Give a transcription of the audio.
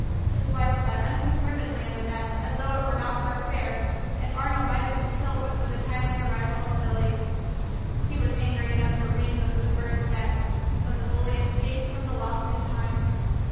His wife sat unconcernedly in the nest, as though it were not her affair, and Arnaux might have been killed but for the timely arrival of Billy. He was angry enough to wring the Blue bird's neck, but the bully escaped from the loft in time.